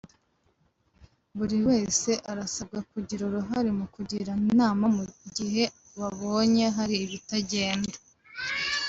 buri wese arasabwa kugira uruhare mu kugirana inama igihe babonye hari ibitagenda